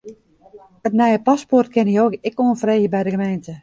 It nije paspoart kinne jo ek oanfreegje by de gemeente.